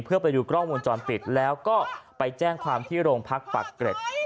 เพื่อไปดูกล้องวงจรปิดแล้วก็ไปแจ้งความที่โรงพักปักเกร็ด